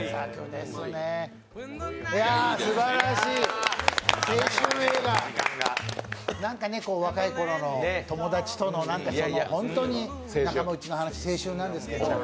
いや、すばらしい青春映画何か若いころの友達との本当に仲間内の話、青春なんですけど。